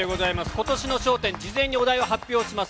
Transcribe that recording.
ことしの笑点、事前にお題を発表します。